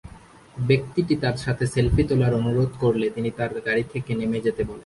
ব্যক্তিটি তার সাথে সেলফি তোলার অনুরোধ করলে তিনি তাকে তার গাড়ি থেকে নেমে যেতে বলেন।